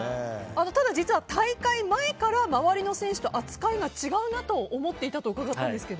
大会前から周りの選手と扱いが違うなと思っていたと伺いましたが。